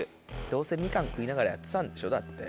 どうせミカン食いながらやってたんでしょだって。